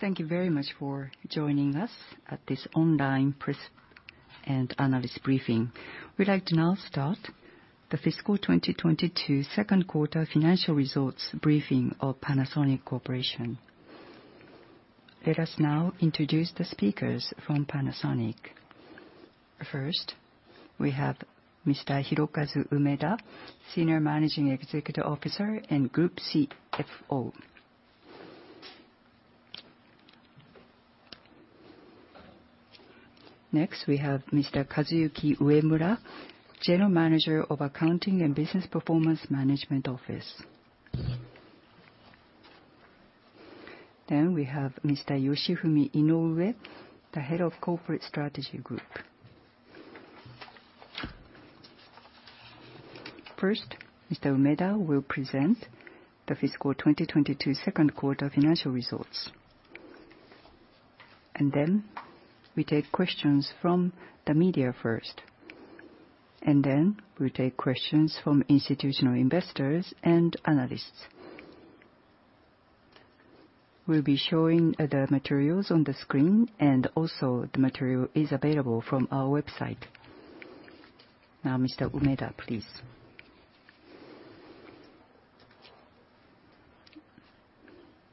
Thank you very much for joining us at this online press and analyst briefing. We'd like to now start the fiscal 2022 second quarter financial results briefing of Panasonic Corporation. Let us now introduce the speakers from Panasonic. First, we have Mr. Hirokazu Umeda, Senior Managing Executive Officer and Group CFO. Next, we have Mr. Sumitaka Yoshitomi, General Manager of Accounting & Business Performance Management Office. Then we have Mr. Yoshifumi Inoue, the Head of Corporate Strategy Group. First, Mr. Umeda will present the fiscal 2022 second quarter financial results. We take questions from the media first, and then we take questions from institutional investors and analysts. We'll be showing other materials on the screen, and also the material is available from our website. Now, Mr. Umeda, please.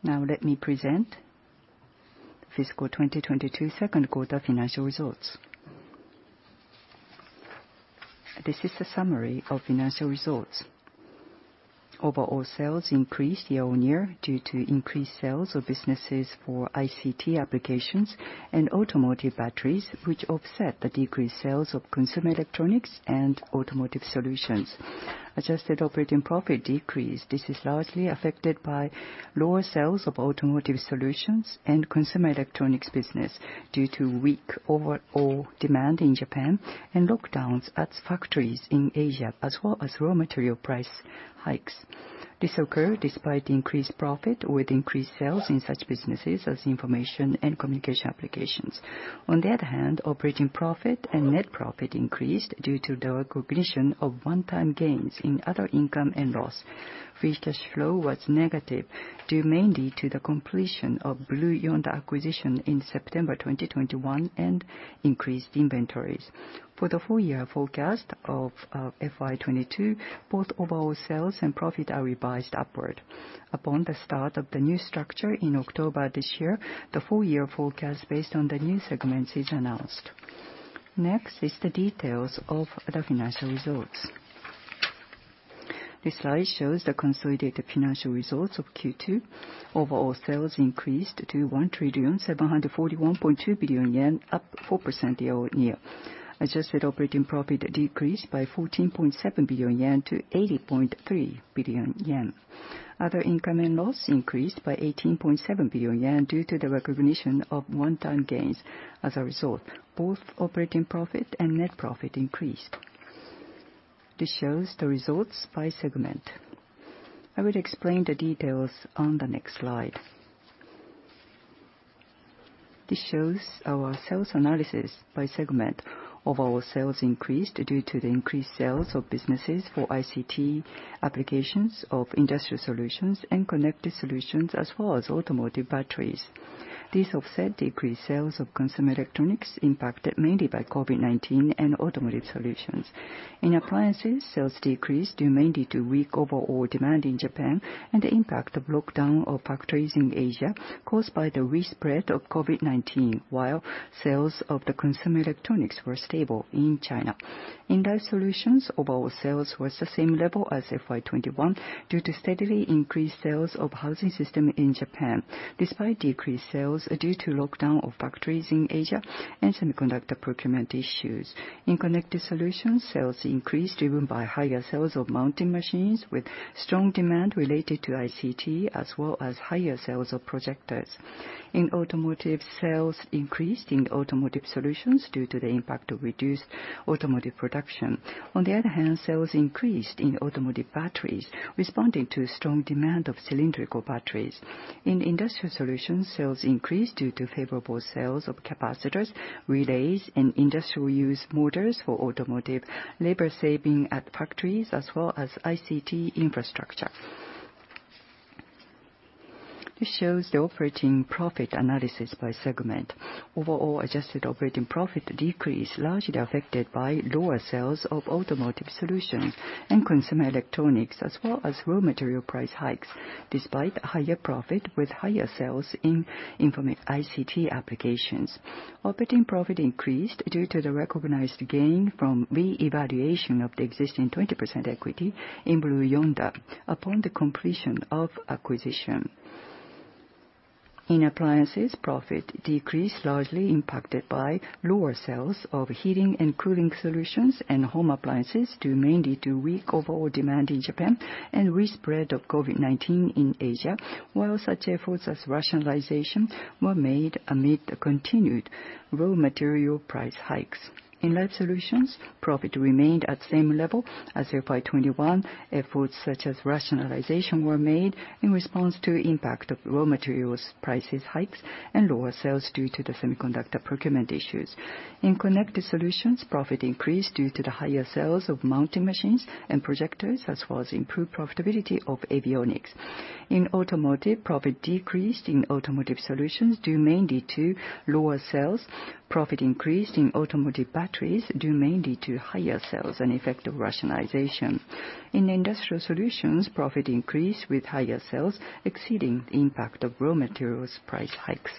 Now let me present fiscal 2022 second quarter financial results. This is the summary of financial results. Overall sales increased year-on-year due to increased sales of businesses for ICT applications and automotive batteries, which offset the decreased sales of consumer electronics and automotive solutions. Adjusted operating profit decreased. This is largely affected by lower sales of automotive solutions and consumer electronics business due to weak overall demand in Japan and lockdowns at factories in Asia, as well as raw material price hikes. This occurred despite increased profit with increased sales in such businesses as information and communication applications. On the other hand, operating profit and net profit increased due to the recognition of one-time gains in other income and loss. Free cash flow was negative due mainly to the completion of Blue Yonder acquisition in September 2021 and increased inventories. For the full year forecast of FY 2022, both overall sales and profit are revised upward. Upon the start of the new structure in October this year, the full year forecast based on the new segments is announced. Next is the details of the financial results. This slide shows the consolidated financial results of Q2. Overall sales increased to 1,741.2 billion yen, up 4% year-on-year. Adjusted operating profit decreased by 14.7 billion yen to 80.3 billion yen. Other income and loss increased by 18.7 billion yen due to the recognition of one-time gains. As a result, both operating profit and net profit increased. This shows the results by segment. I will explain the details on the next slide. This shows our sales analysis by segment. Overall sales increased due to the increased sales of businesses for ICT applications of industrial solutions and connected solutions, as well as automotive batteries. This offset decreased sales of consumer electronics impacted mainly by COVID-19 and automotive solutions. In appliances, sales decreased due mainly to weak overall demand in Japan and the impact of lockdown of factories in Asia caused by the respread of COVID-19, while sales of the consumer electronics were stable in China. In Life Solutions, overall sales was the same level as FY 2021 due to steadily increased sales of housing system in Japan, despite decreased sales due to lockdown of factories in Asia and semiconductor procurement issues. In Connected Solutions, sales increased, driven by higher sales of mounting machines with strong demand related to ICT, as well as higher sales of projectors. In Automotive, sales decreased in Automotive Solutions due to the impact of reduced automotive production. On the other hand, sales increased in automotive batteries, responding to strong demand of cylindrical batteries. In Industry, sales increased due to favorable sales of capacitors, relays, and industrial use motors for Automotive, labor saving at factories, as well as ICT infrastructure. This shows the operating profit analysis by segment. Overall adjusted operating profit decreased, largely affected by lower sales of Automotive solutions and consumer electronics, as well as raw material price hikes, despite higher profit with higher sales in ICT applications. Operating profit increased due to the recognized gain from re-evaluation of the existing 20% equity in Blue Yonder upon the completion of acquisition. In Appliances, profit decreased, largely impacted by lower sales of heating and cooling solutions and home appliances, due mainly to weak overall demand in Japan and respread of COVID-19 in Asia, while such efforts as rationalization were made amid the continued raw material price hikes. In Life Solutions, profit remained at same level as FY 2021. Efforts such as rationalization were made in response to the impact of raw material price hikes and lower sales due to the semiconductor procurement issues. In Connect, profit increased due to the higher sales of mounting machines and projectors, as well as improved profitability of avionics. In Automotive, profit decreased in Automotive Solutions due mainly to lower sales. Profit increased in Automotive batteries due mainly to higher sales and the effect of rationalization. In Industry, profit increased with higher sales exceeding the impact of raw material price hikes.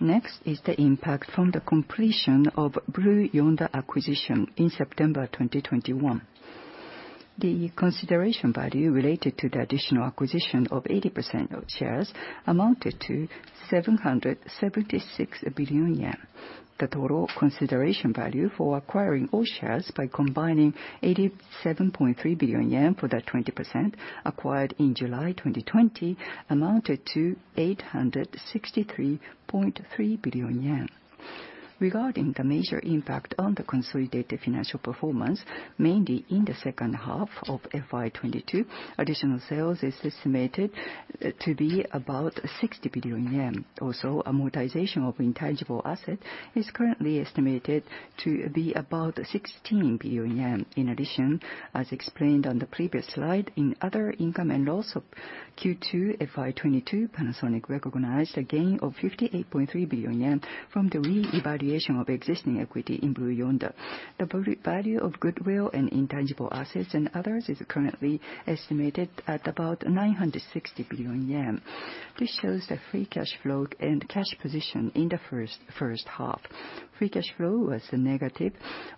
Next is the impact from the completion of Blue Yonder acquisition in September 2021. The consideration value related to the additional acquisition of 80% of shares amounted to 776 billion yen. The total consideration value for acquiring all shares by combining 87.3 billion yen for the 20% acquired in July 2020 amounted to 863.3 billion yen. Regarding the major impact on the consolidated financial performance, mainly in the second half of FY 2022, additional sales is estimated to be about 60 billion yen. Also, amortization of intangible asset is currently estimated to be about 16 billion yen. In addition, as explained on the previous slide, in other income and loss of Q2 FY 2022, Panasonic recognized a gain of 58.3 billion yen from the re-evaluation of existing equity in Blue Yonder. The pro forma value of goodwill and intangible assets and others is currently estimated at about 960 billion yen. This shows the free cash flow and cash position in the first half. Free cash flow was a negative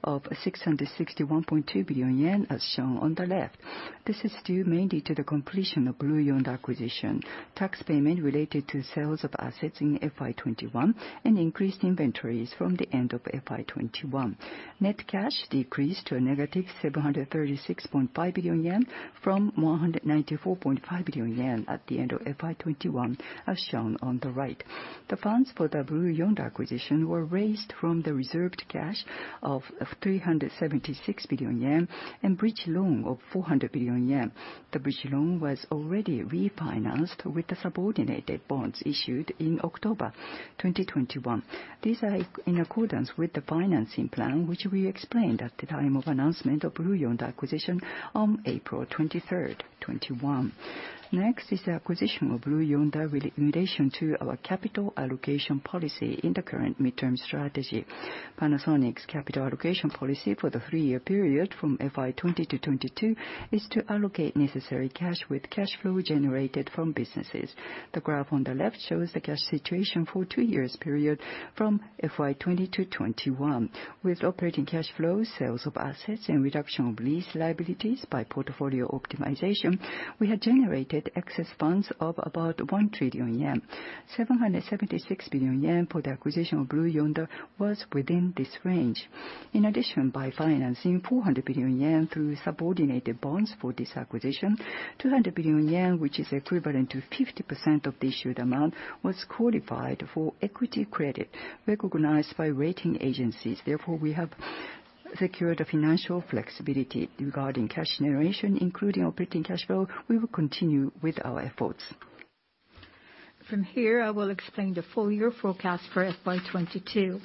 of 661.2 billion yen as shown on the left. This is due mainly to the completion of Blue Yonder acquisition, tax payment related to sales of assets in FY 2021, and increased inventories from the end of FY 2021. Net cash decreased to a negative 736.5 billion yen from 194.5 billion yen at the end of FY 2021, as shown on the right. The funds for the Blue Yonder acquisition were raised from the reserved cash of 376 billion yen and bridge loan of 400 billion yen. The bridge loan was already refinanced with the subordinated bonds issued in October 2021. These are in accordance with the financing plan, which we explained at the time of announcement of Blue Yonder acquisition on April 23rd, 2021. Next is the acquisition of Blue Yonder with relation to our capital allocation policy in the current midterm strategy. Panasonic's capital allocation policy for the three-year period from FY 2020-2022 is to allocate necessary cash with cash flow generated from businesses. The graph on the left shows the cash situation for two-year period from FY 2020-2021. With operating cash flow, sales of assets, and reduction of lease liabilities by portfolio optimization, we had generated excess funds of about 1 trillion yen. 776 billion yen for the acquisition of Blue Yonder was within this range. In addition, by financing 400 billion yen through subordinated bonds for this acquisition, 200 billion yen, which is equivalent to 50% of the issued amount, was qualified for equity credit recognized by rating agencies. Therefore, we have secured the financial flexibility regarding cash generation, including operating cash flow. We will continue with our efforts. From here, I will explain the full year forecast for FY 2022.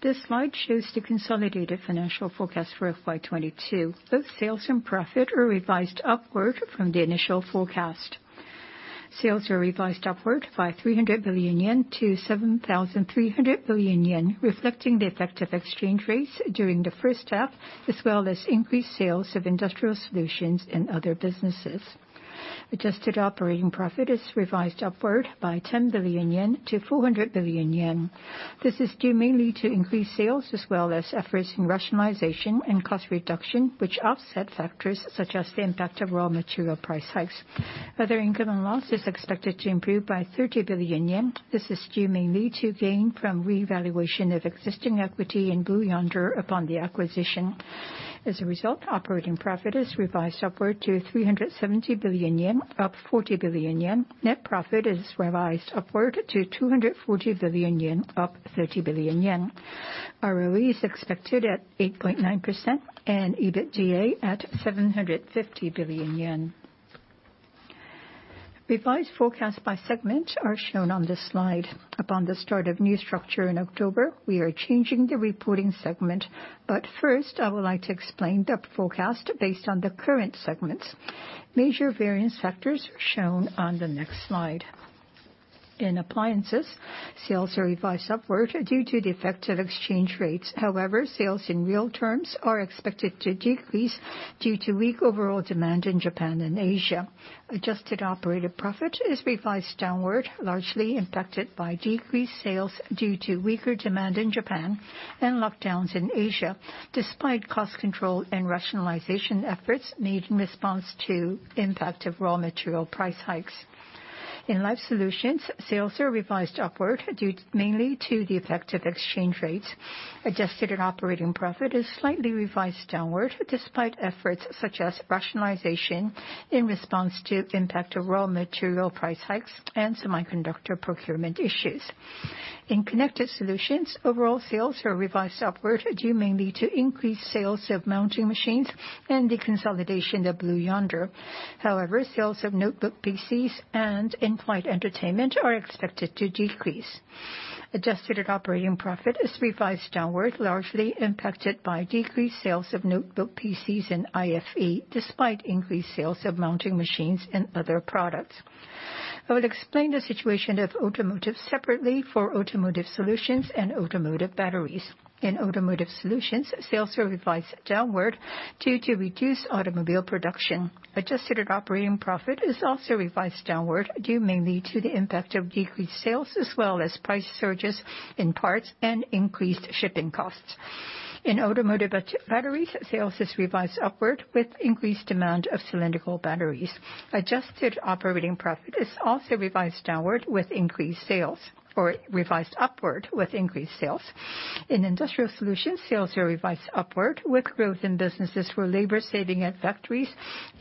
This slide shows the consolidated financial forecast for FY 2022. Both sales and profit are revised upward from the initial forecast. Sales are revised upward by 300 billion yen to 7,300 billion yen, reflecting the effective exchange rates during the first half, as well as increased sales of Industrial Solutions and other businesses. Adjusted operating profit is revised upward by 10 billion yen to 400 billion yen. This is due mainly to increased sales as well as efforts in rationalization and cost reduction, which offset factors such as the impact of raw material price hikes. Other income and loss is expected to improve by 30 billion yen. This is due mainly to gain from revaluation of existing equity in Blue Yonder upon the acquisition. As a result, operating profit is revised upward to 370 billion yen, up 40 billion yen. Net profit is revised upward to 240 billion yen, up 30 billion yen. ROE is expected at 8.9% and EBITDA at 750 billion yen. Revised forecast by segment are shown on this slide. Upon the start of new structure in October, we are changing the reporting segment. First, I would like to explain the forecast based on the current segments. Major variance factors shown on the next slide. In Appliances, sales are revised upward due to the effect of exchange rates. However, sales in real terms are expected to decrease due to weak overall demand in Japan and Asia. Adjusted operating profit is revised downward, largely impacted by decreased sales due to weaker demand in Japan and lockdowns in Asia, despite cost control and rationalization efforts made in response to impact of raw material price hikes. In Life Solutions, sales are revised upward due mainly to the effect of exchange rates. Adjusted operating profit is slightly revised downward, despite efforts such as rationalization in response to impact of raw material price hikes and semiconductor procurement issues. In Connected Solutions, overall sales are revised upward due mainly to increased sales of mounting machines and the consolidation of Blue Yonder. However, sales of notebook PCs and in-flight entertainment are expected to decrease. Adjusted operating profit is revised downward, largely impacted by decreased sales of notebook PCs and IFE, despite increased sales of mounting machines and other products. I will explain the situation of Automotive separately for Automotive Solutions and Automotive Batteries. In Automotive Solutions, sales are revised downward due to reduced automobile production. Adjusted operating profit is also revised downward due mainly to the impact of decreased sales, as well as price surges in parts and increased shipping costs. In Automotive Batteries, sales is revised upward with increased demand of cylindrical batteries. Adjusted operating profit is also revised upward with increased sales. In Industry, sales are revised upward with growth in businesses for labor saving at factories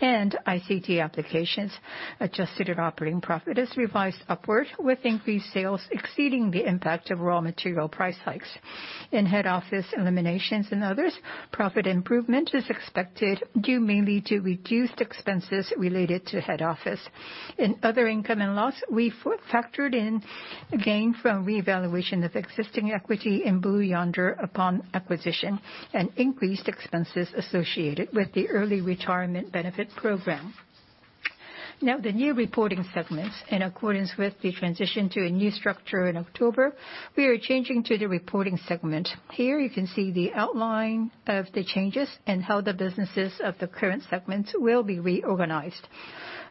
and ICT applications. Adjusted operating profit is revised upward with increased sales exceeding the impact of raw material price hikes. In head office eliminations and others, profit improvement is expected due mainly to reduced expenses related to head office. In other income and loss, we factored in gain from reevaluation of existing equity in Blue Yonder upon acquisition and increased expenses associated with the early retirement benefit program. Now, the new reporting segments. In accordance with the transition to a new structure in October, we are changing to the reporting segment. Here you can see the outline of the changes and how the businesses of the current segments will be reorganized.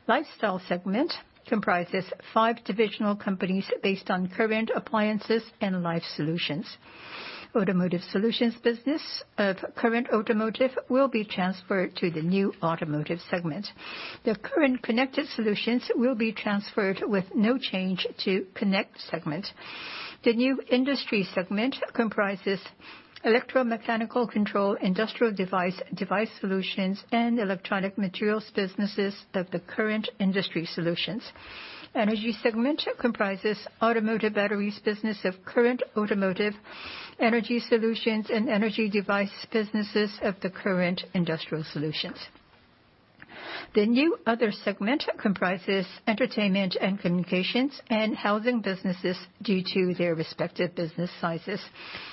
Lifestyle segment comprises five divisional companies based on current appliances and life solutions. Automotive Solutions business of current Automotive will be transferred to the new Automotive segment. The current Connected Solutions will be transferred with no change to Connect segment. The new Industry segment comprises electromechanical control, industrial device solutions, and electronic materials businesses of the current Industry Solutions. Energy segment comprises Automotive Batteries business of current Automotive, energy solutions, and energy device businesses of the current Industrial Solutions. The new Other segment comprises entertainment and communications and housing businesses due to their respective business sizes.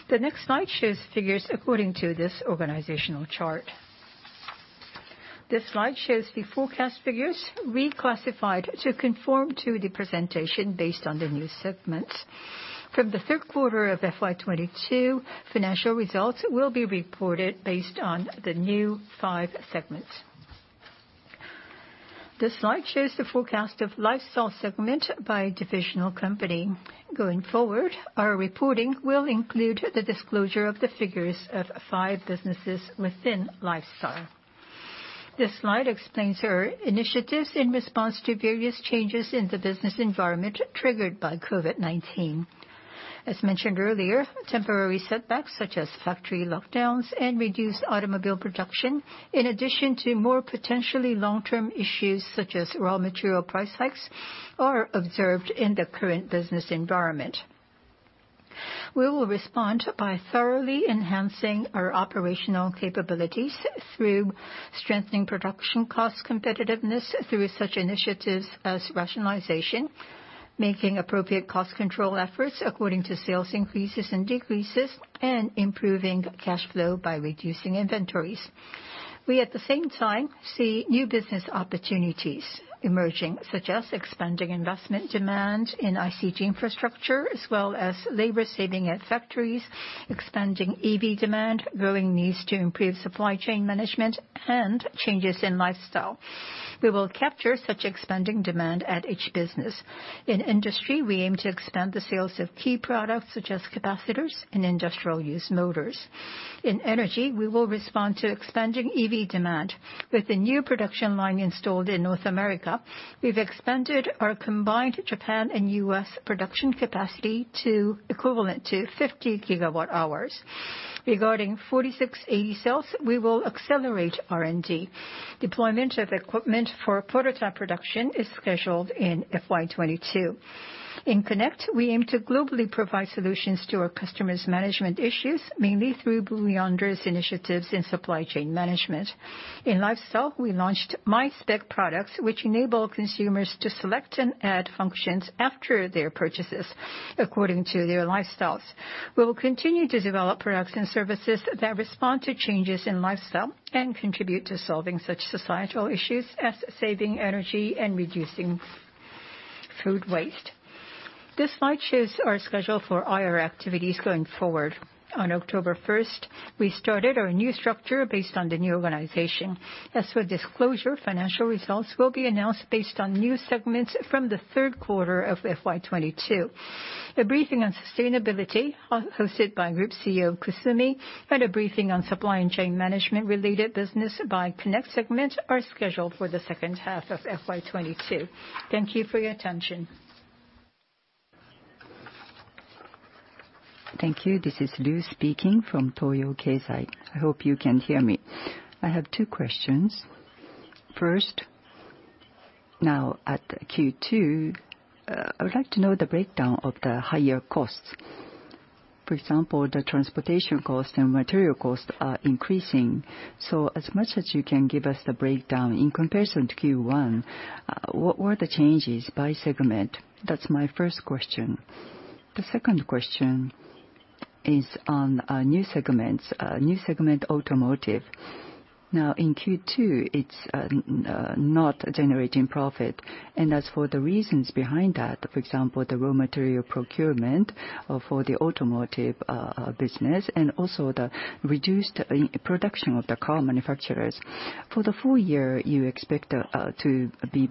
The next slide shows figures according to this organizational chart. This slide shows the forecast figures reclassified to conform to the presentation based on the new segments. From the third quarter of FY 2022, financial results will be reported based on the new five segments. This slide shows the forecast of Lifestyle segment by divisional company. Going forward, our reporting will include the disclosure of the figures of five businesses within Lifestyle. This slide explains our initiatives in response to various changes in the business environment triggered by COVID-19. As mentioned earlier, temporary setbacks such as factory lockdowns and reduced automobile production, in addition to more potentially long-term issues such as raw material price hikes, are observed in the current business environment. We will respond by thoroughly enhancing our operational capabilities through strengthening production cost competitiveness through such initiatives as rationalization, making appropriate cost control efforts according to sales increases and decreases, and improving cash flow by reducing inventories. We, at the same time, see new business opportunities emerging, such as expanding investment demand in ICT infrastructure, as well as labor saving at factories, expanding EV demand, growing needs to improve supply chain management, and changes in lifestyle. We will capture such expanding demand at each business. In Industry, we aim to expand the sales of key products, such as capacitors and industrial use motors. In Energy, we will respond to expanding EV demand. With the new production line installed in North America, we've expanded our combined Japan and U.S. production capacity to the equivalent of 50 GWh. Regarding 4680 cells, we will accelerate R&D. Deployment of equipment for prototype production is scheduled in FY 2022. In Connect, we aim to globally provide solutions to our customers' management issues, mainly through Blue Yonder's initiatives in supply chain management. In Lifestyle, we launched My Spec products, which enable consumers to select and add functions after their purchases according to their lifestyles. We will continue to develop products and services that respond to changes in lifestyle and contribute to solving such societal issues as saving energy and reducing food waste. This slide shows our schedule for IR activities going forward. On October first, we started our new structure based on the new organization. As for disclosure, financial results will be announced based on new segments from the third quarter of FY 2022. A briefing on sustainability hosted by Group CEO Kusumi and a briefing on supply chain management related business by Connect segment are scheduled for the second half of FY 2022. Thank you for your attention. Thank you. This is Umeda speaking from Toyo Keizai. I hope you can hear me. I have two questions. First, now at Q2, I would like to know the breakdown of the higher costs. For example, the transportation cost and material costs are increasing. As much as you can give us the breakdown in comparison to Q1, what were the changes by segment? That's my first question. The second question is on new segments. New segment Automotive. Now, in Q2, it's not generating profit, and as for the reasons behind that, for example, the raw material procurement for the Automotive business and also the reduced production of the car manufacturers. For the full year, you expect to be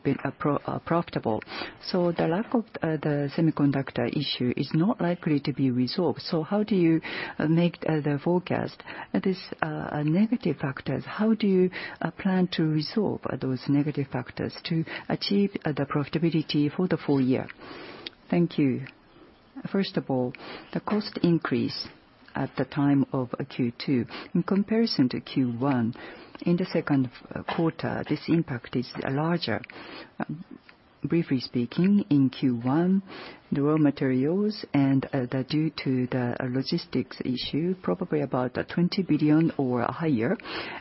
profitable. The lack of the semiconductor issue is not likely to be resolved. How do you make the forecast? These negative factors, how do you plan to resolve those negative factors to achieve the profitability for the full year? Thank you. First of all, the cost increase at the time of Q2. In comparison to Q1, in the second quarter, this impact is larger. Briefly speaking, in Q1, the raw materials and due to the logistics issue, probably about 20 billion or higher.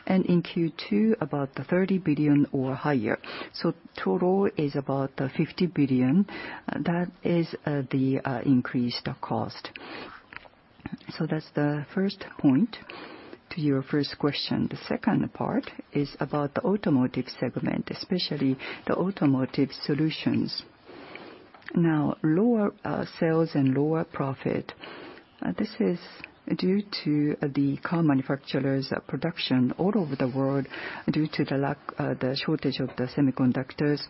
In Q2, about 30 billion or higher. Total is about 50 billion. That is the increased cost. That's the first point to your first question. The second part is about the automotive segment, especially the automotive solutions. Now, lower sales and lower profit. This is due to the car manufacturers' production all over the world due to the shortage of the semiconductors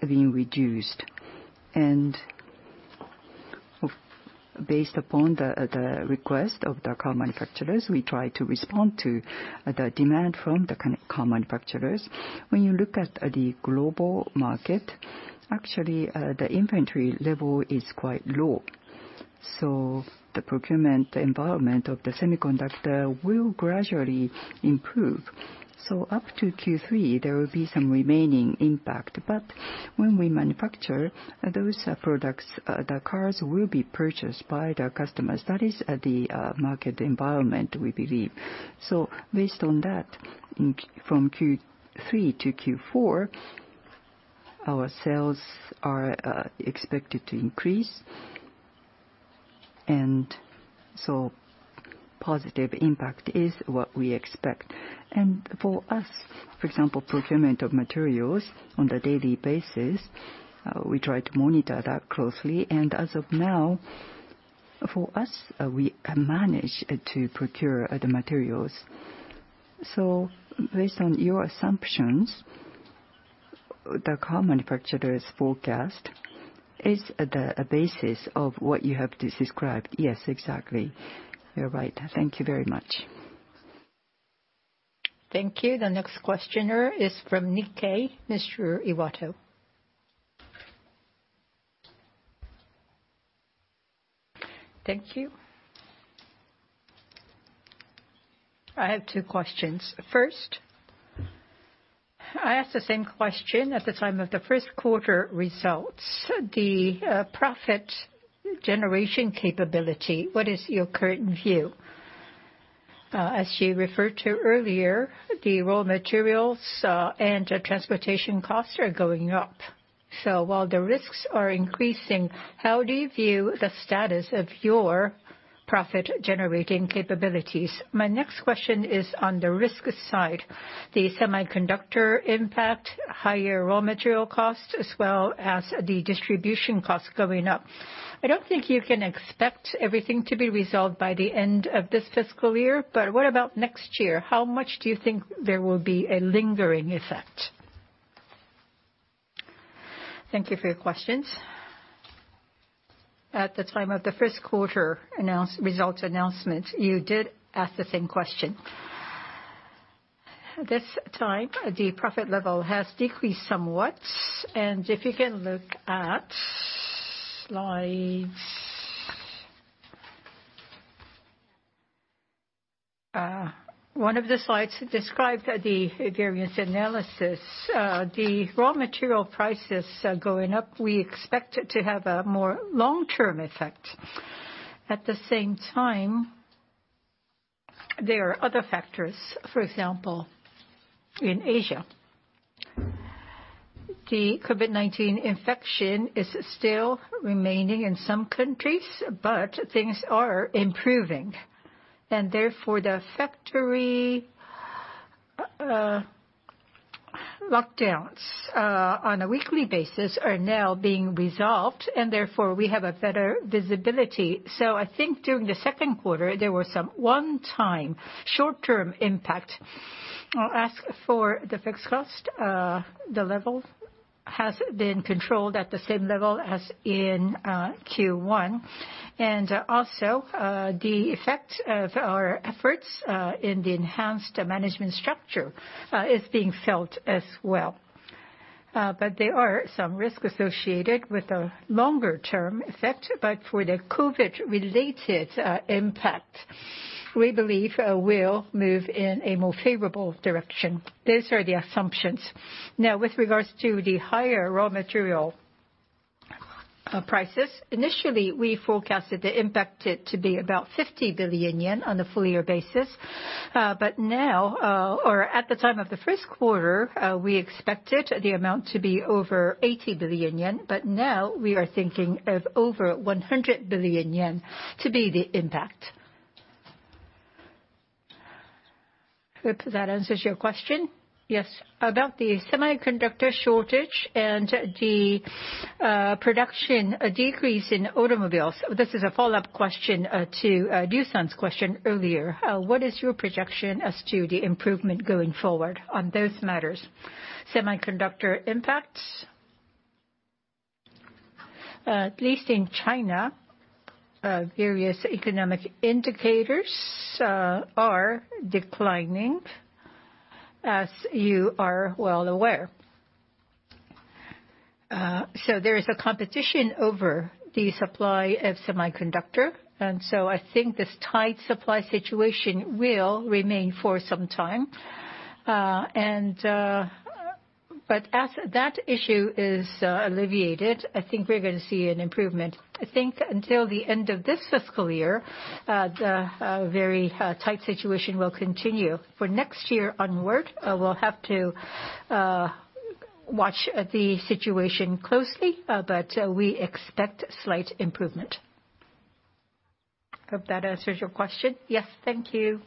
being reduced. Based upon the request of the car manufacturers, we try to respond to the demand from the car manufacturers. When you look at the global market, actually, the inventory level is quite low. The procurement environment of the semiconductor will gradually improve. Up to Q3, there will be some remaining impact. When we manufacture those products, the cars will be purchased by the customers. That is the market environment, we believe. Based on that, from Q3 to Q4, our sales are expected to increase. Positive impact is what we expect. For us, for example, procurement of materials on the daily basis, we try to monitor that closely. As of now, for us, we manage to procure the materials. Based on your assumptions, the car manufacturer's forecast is the basis of what you have described. Yes, exactly. You're right. Thank you very much. Thank you. The next questioner is from Nikkei, Mr. Iwamoto. Thank you. I have two questions. First, I asked the same question at the time of the first quarter results. The profit generation capability, what is your current view? As you referred to earlier, the raw materials and the transportation costs are going up. While the risks are increasing, how do you view the status of your profit-generating capabilities? My next question is on the risk side. The semiconductor impact, higher raw material costs, as well as the distribution costs going up. I don't think you can expect everything to be resolved by the end of this fiscal year, but what about next year? How much do you think there will be a lingering effect? Thank you for your questions. At the time of the first quarter results announcement, you did ask the same question. This time, the profit level has decreased somewhat. If you can look at slides. One of the slides described the variance analysis. The raw material prices are going up. We expect it to have a more long-term effect. At the same time, there are other factors. For example, in Asia, the COVID-19 infection is still remaining in some countries, but things are improving. Therefore, the factory lockdowns on a weekly basis are now being resolved, and therefore, we have a better visibility. I think during the second quarter, there was some one-time short-term impact. As for the fixed cost. The level has been controlled at the same level as in Q1. The effect of our efforts in the enhanced management structure is being felt as well. There are some risk associated with the longer term effect. For the COVID-related impact, we believe we'll move in a more favorable direction. Those are the assumptions. Now, with regards to the higher raw material prices, initially, we forecasted the impact it to be about 50 billion yen on a full year basis. Now, or at the time of the first quarter, we expected the amount to be over 80 billion yen. Now we are thinking of over 100 billion yen to be the impact. Hope that answers your question. Yes. About the semiconductor shortage and the production decrease in automobiles, this is a follow-up question to Dusan's question earlier. What is your projection as to the improvement going forward on those matters? Semiconductor impacts, at least in China, various economic indicators are declining, as you are well aware. There is a competition over the supply of semiconductor, and so I think this tight supply situation will remain for some time. As that issue is alleviated, I think we're gonna see an improvement. I think until the end of this fiscal year, the very tight situation will continue. For next year onward, we'll have to watch the situation closely, but we expect slight improvement. Hope that answers your question. Yes. Thank you.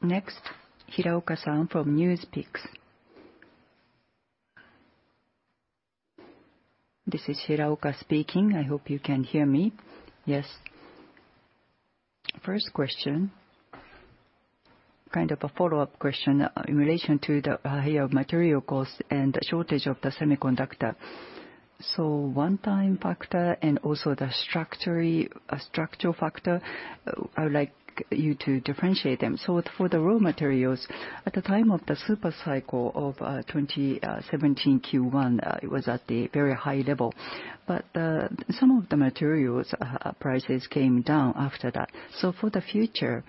Next, Hiraoka from NewsPicks. This is Hiraoka speaking. I hope you can hear me. Yes. First question, kind of a follow-up question in relation to the higher material cost and the shortage of the semiconductor. One-time factor and also the structural factor, I would like you to differentiate them. For the raw materials, at the time of the super cycle of 2017 Q1, it was at the very high level. Some of the materials prices came down after that. For the future,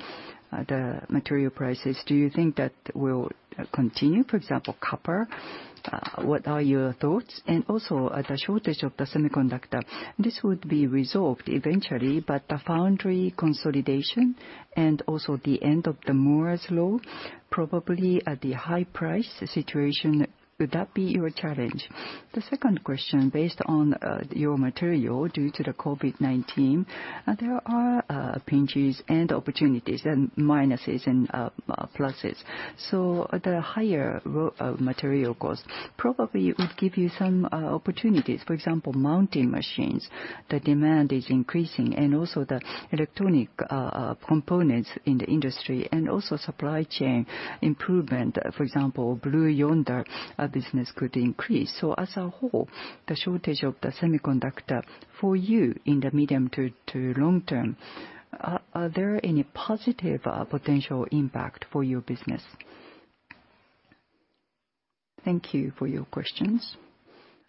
the material prices, do you think that will continue? For example, copper, what are your thoughts? And also, the shortage of the semiconductor, this would be resolved eventually, but the foundry consolidation and also the end of Moore's law, probably at the high price situation, would that be your challenge? The second question, based on your material due to the COVID-19, there are pinches and opportunities and minuses and pluses. The higher raw material cost probably would give you some opportunities. For example, mounting machines, the demand is increasing, and also the electronic components in the Industry, and also supply chain improvement. For example, Blue Yonder business could increase. As a whole, the shortage of the semiconductor for you in the medium to long term, are there any positive potential impact for your business? Thank you for your questions.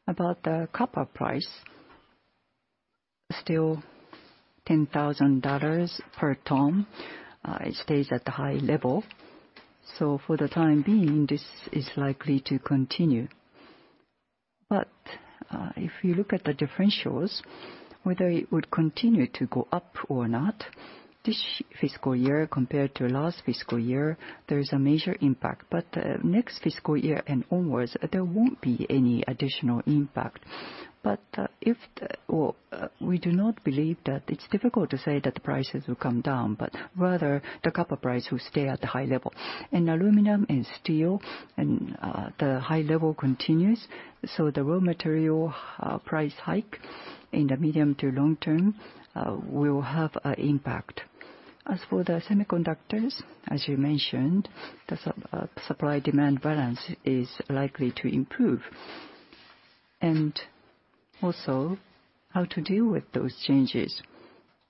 About the copper price, still $10,000 per ton. It stays at the high level. For the time being, this is likely to continue. If you look at the differentials, whether it would continue to go up or not, this fiscal year compared to last fiscal year, there is a major impact. Next fiscal year and onwards, there won't be any additional impact. We do not believe that it's difficult to say that the prices will come down, but rather the copper price will stay at the high level. Aluminum and steel and the high level continues, so the raw material price hike in the medium to long term will have an impact. As for the semiconductors, as you mentioned, the supply-demand balance is likely to improve. Also how to deal with those changes.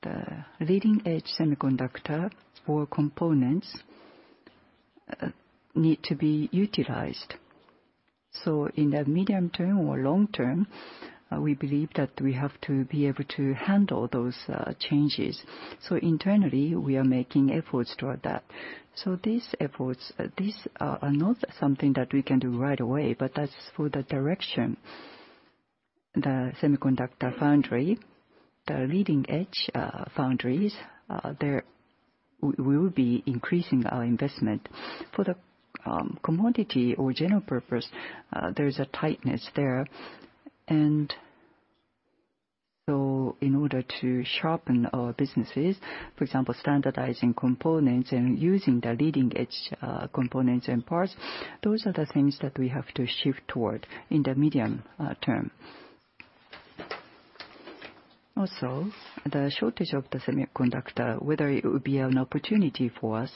The leading edge semiconductor or components need to be utilized. In the medium term or long term, we believe that we have to be able to handle those changes. Internally, we are making efforts toward that. These efforts are not something that we can do right away, but that's for the direction. The semiconductor foundry, the leading edge foundries, there we will be increasing our investment. For the commodity or general purpose, there's a tightness there. And so in order to sharpen our businesses, for example, standardizing components and using the leading edge components and parts, those are the things that we have to shift toward in the medium term. Also, the shortage of the semiconductor, whether it would be an opportunity for us.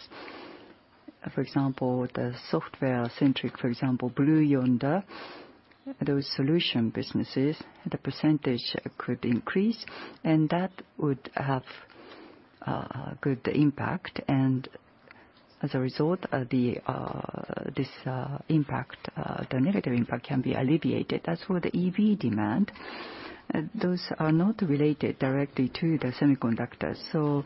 For example, the software centric, for example, Blue Yonder, those solution businesses, the percentage could increase, and that would have a good impact. As a result of this impact, the negative impact can be alleviated. As for the EV demand, those are not related directly to the semiconductors. So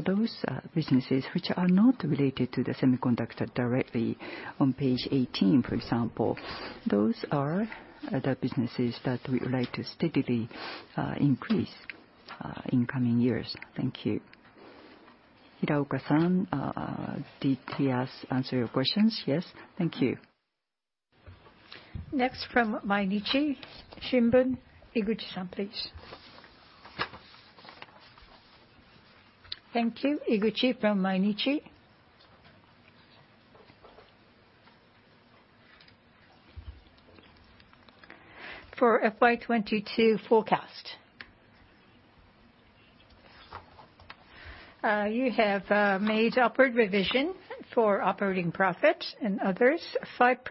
those businesses which are not related to the semiconductor directly, on page 18 for example, those are the businesses that we would like to steadily increase in coming years. Thank you. Hiraoka-san, did he answer your questions? Yes. Thank you. Next from Mainichi Shimbun, Iguchi, please. Thank you, Iguchi from Mainichi. For FY 2022 forecast, you have made upward revision for operating profit and others, 5%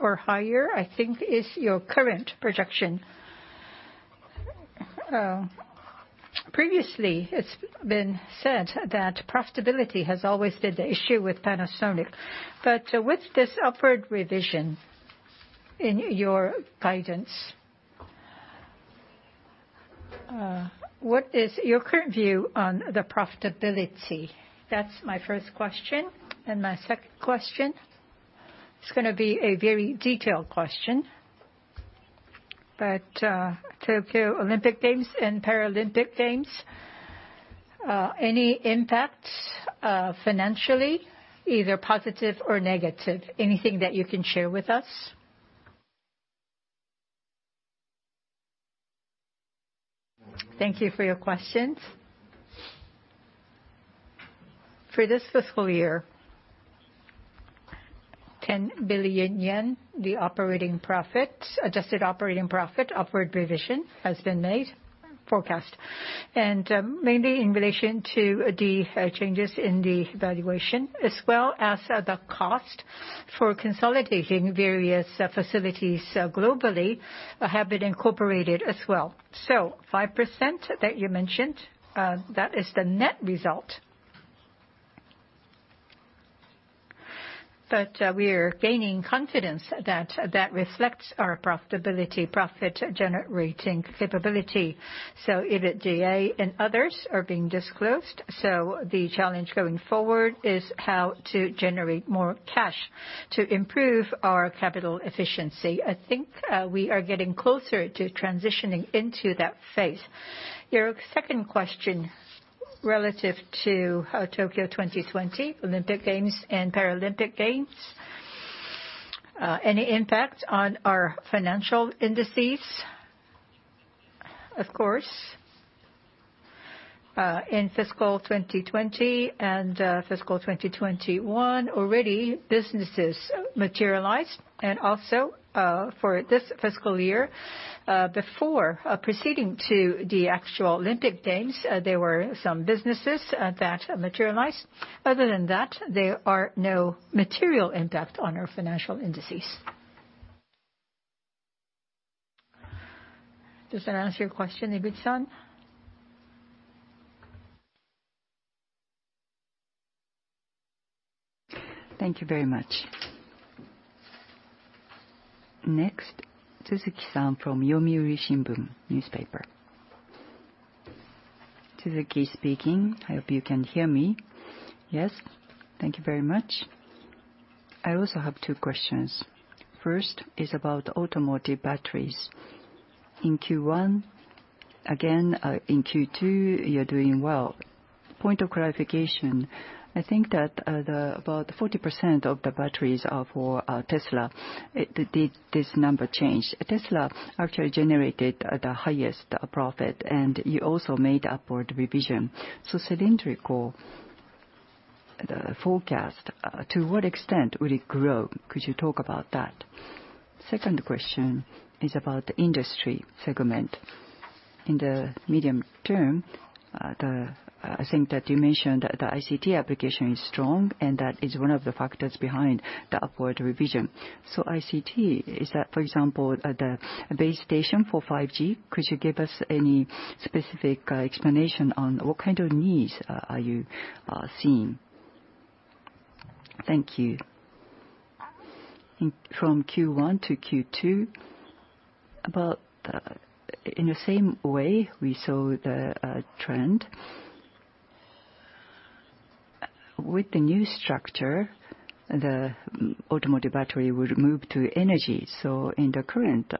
or higher, I think, is your current projection. Previously, it's been said that profitability has always been the issue with Panasonic. With this upward revision in your guidance, what is your current view on the profitability? That's my first question. My second question, it's gonna be a very detailed question. Tokyo 2020 Olympic and Paralympic Games, any impact, financially, either positive or negative? Anything that you can share with us? Thank you for your questions. For this fiscal year, 10 billion yen, the operating profit, adjusted operating profit, upward revision has been made, forecast. Mainly in relation to the changes in the valuation, as well as the cost for consolidating various facilities globally have been incorporated as well. 5% that you mentioned, that is the net result. We're gaining confidence that that reflects our profitability, profit-generating capability. EBITDA and others are being disclosed. The challenge going forward is how to generate more cash to improve our capital efficiency. I think we are getting closer to transitioning into that phase. Your second question, relative to Tokyo 2020 Olympic and Paralympic Games, any impact on our financial indices? Of course. In fiscal 2020 and fiscal 2021, already businesses materialized. For this fiscal year, before proceeding to the actual Olympic Games, there were some businesses that materialized. Other than that, there are no material impact on our financial indices. Does that answer your question, Iguchi-san? Thank you very much. Next, Tsuzuki-san from Yomiuri Shimbun. Tsuzuki speaking. I hope you can hear me. Yes. Thank you very much. I also have two questions. First is about automotive batteries. In Q1, again, in Q2, you're doing well. Point of clarification, I think that about 40% of the batteries are for Tesla. Did this number change? Tesla actually generated the highest profit, and you also made upward revision. So cylindrical, the forecast, to what extent will it grow? Could you talk about that? Second question is about industry segment. In the medium term, I think that you mentioned the ICT application is strong, and that is one of the factors behind the upward revision. So ICT, is that, for example, the base station for 5G? Could you give us any specific explanation on what kind of needs are you seeing? Thank you. From Q1 to Q2, in the same way we saw the trend. With the new structure, the Automotive battery will move to Energy. In the current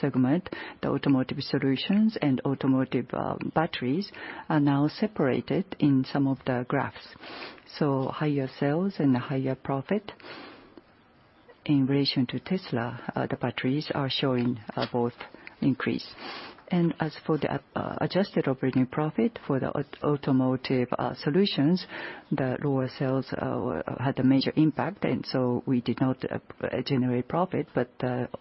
segment, the Automotive solutions and Automotive batteries are now separated in some of the graphs. Higher sales and higher profit. In relation to Tesla, the batteries are showing both increase. As for the adjusted operating profit for the Automotive solutions, the lower sales had a major impact, and so we did not generate profit.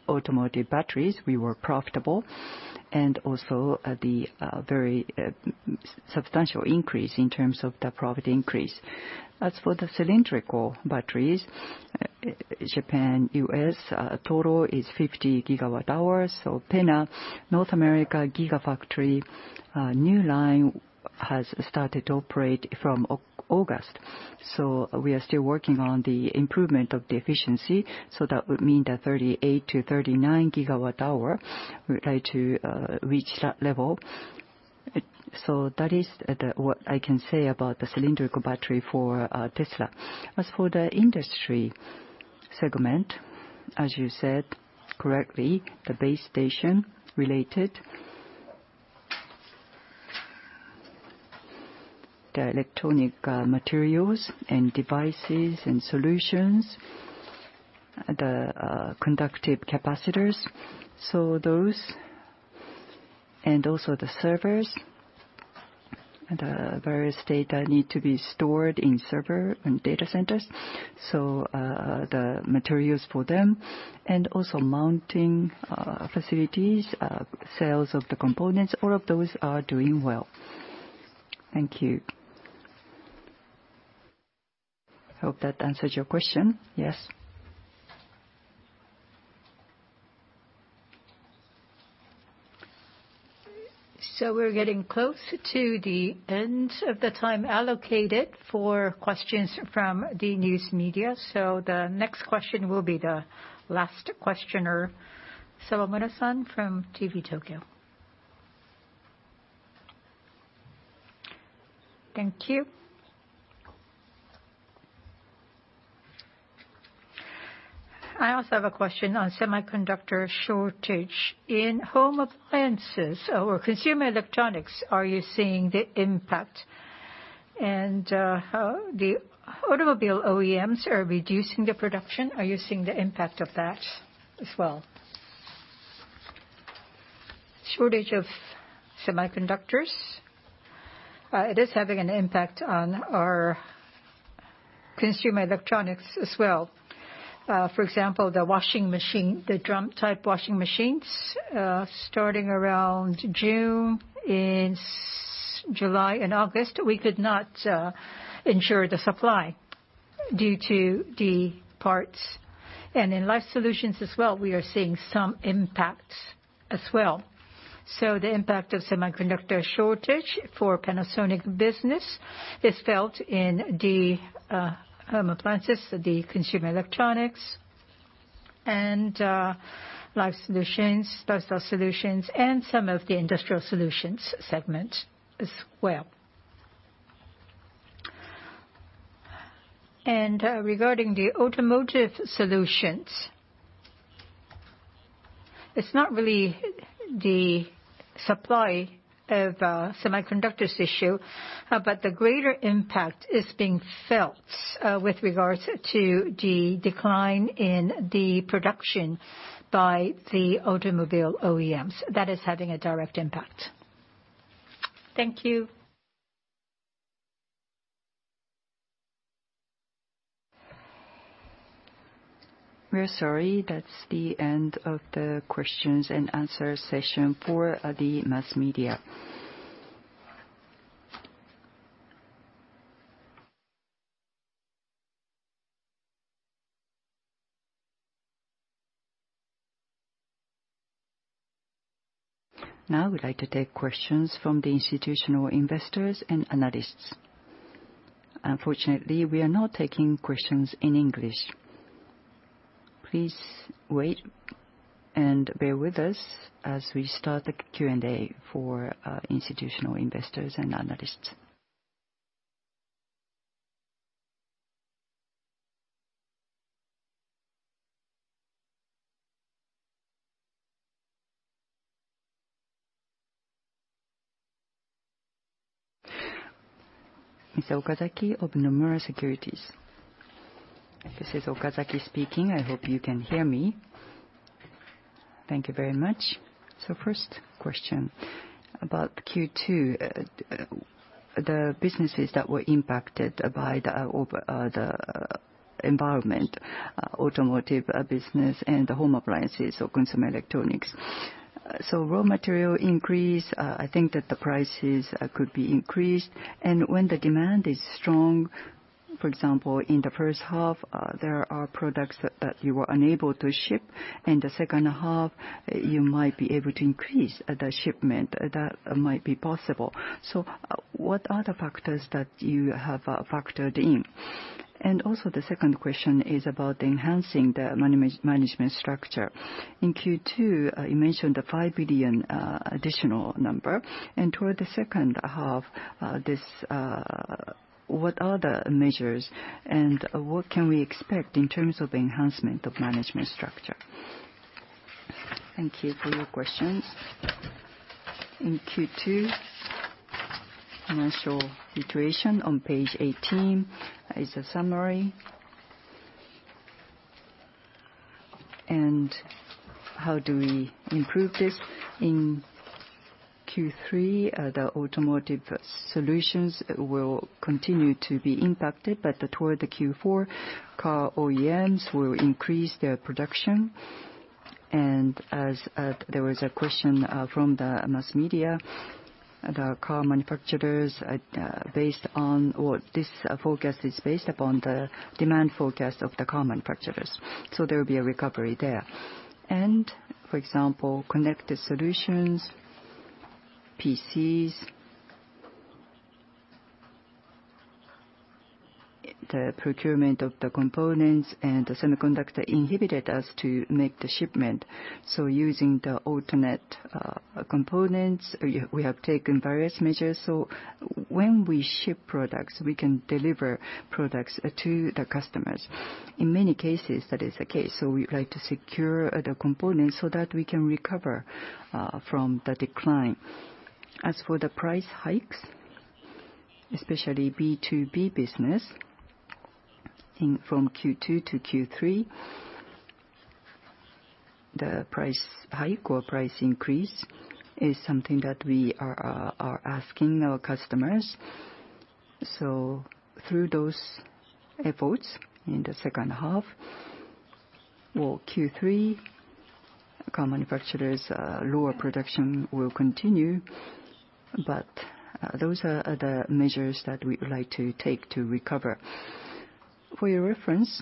Automotive batteries, we were profitable. The very substantial increase in terms of the profit increase. As for the cylindrical batteries, Japan, U.S., total is 50 gigawatt hours. Nevada, North America, Gigafactory, new line has started to operate from August. We are still working on the improvement of the efficiency, so that would mean that 38-39 gigawatt hours, we try to reach that level. That is what I can say about the cylindrical battery for Tesla. As for the industry segment, as you said correctly, the base station related, the electronic materials and devices and solutions, the conductive capacitors. Those, and also the servers, the various data need to be stored in servers and data centers. The materials for them, and also mounting facilities, sales of the components, all of those are doing well. Thank you. Hope that answers your question. Yes. We're getting close to the end of the time allocated for questions from the news media. The next question will be the last questioner. Saruhashi-san from TV Tokyo. Thank you. I also have a question on semiconductor shortage. In home appliances or consumer electronics, are you seeing the impact? The automobile OEMs are reducing the production, are you seeing the impact of that as well? Shortage of semiconductors, it is having an impact on our consumer electronics as well. For example, the washing machine, the drum-type washing machines, starting around June, in July and August, we could not ensure the supply due to the parts. In Life Solutions as well, we are seeing some impacts as well. The impact of semiconductor shortage for Panasonic business is felt in the home appliances, the consumer electronics and Life Solutions, those solutions and some of the Industrial Solutions segment as well. Regarding the Automotive Solutions, it's not really the supply of semiconductors issue, but the greater impact is being felt with regards to the decline in the production by the automobile OEMs. That is having a direct impact. Thank you. We're sorry, that's the end of the questions and answer session for the mass media. Now, we'd like to take questions from the institutional investors and analysts. Unfortunately, we are not taking questions in English. Please wait and bear with us as we start the Q&A for institutional investors and analysts. Miss Okazaki of Nomura Securities. This is Okazaki speaking. I hope you can hear me. Thank you very much. First question about Q2. The businesses that were impacted by the overall environment, automotive business and the home appliances or consumer electronics. Raw material increase, I think that the prices could be increased. When the demand is strong, for example, in the first half, there are products that you were unable to ship. In the second half, you might be able to increase the shipment. That might be possible. What are the factors that you have factored in? Also the second question is about enhancing the management structure. In Q2, you mentioned the 5 billion additional number. Toward the second half, what are the measures, and what can we expect in terms of enhancement of management structure? Thank you for your questions. In Q2, financial situation on page 18 is a summary. How do we improve this? In Q3, the automotive solutions will continue to be impacted, but toward the Q4, car OEMs will increase their production. There was a question from the mass media, the car manufacturers, based on what? This forecast is based upon the demand forecast of the car manufacturers. There will be a recovery there. For example, Connected Solutions, PCs, the procurement of the components and the semiconductor inhibited us to make the shipment. Using the alternate components, we have taken various measures, so when we ship products, we can deliver products to the customers. In many cases, that is the case, so we try to secure the components so that we can recover from the decline. As for the price hikes, especially B2B business, from Q2 to Q3, the price hike or price increase is something that we are asking our customers. Through those efforts in the second half or Q3, car manufacturers lower production will continue, but those are the measures that we would like to take to recover. For your reference,